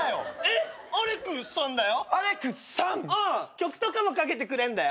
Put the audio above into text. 曲とかもかけてくれんだよ。